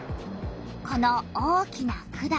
この大きな管。